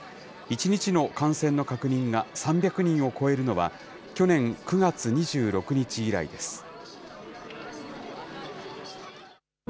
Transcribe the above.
１日の感染の確認が３００人を超えるのは、去年９月２６日以来です。